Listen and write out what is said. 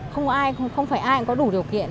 không phải ai cũng có đủ điều kiện